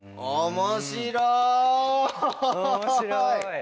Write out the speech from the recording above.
面白い。